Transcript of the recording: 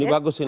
ini bagus ini